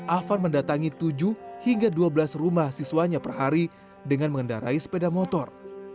afan mendatangi tujuh hingga dua belas rumah siswanya per hari dengan mengendarai sepeda motor